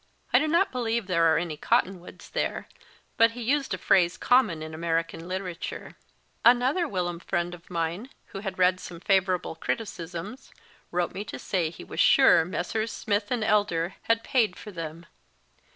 I do not believe there are any cottonwoods there, but he used a phrase common in American literature. Another whilom friend of mine, who had read some favourable criticisms, wrote me to say he was sure Messrs. Smith & Elder had paid for them.